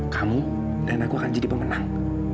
kamu dan aku akan jadi pemenang